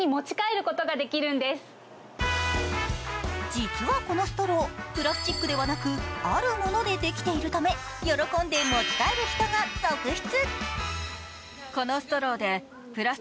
実はこのストロー、プラスチックではなく、あるものでできているため喜んで持ち帰る人が続出。